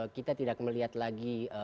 kita tidak melihat lagi